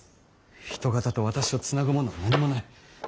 人形と私を繋ぐものは何もない。